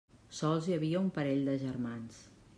Sols hi havia un parell de germans.